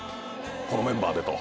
「このメンバーで」と。